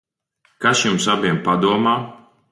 Kas jums abiem padomā?